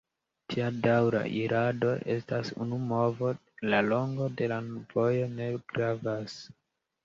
Tia daŭra irado estas unu movo: la longo de la vojo ne gravas.